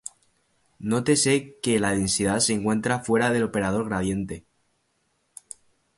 Nótese que la densidad se encuentra fuera del operador gradiente.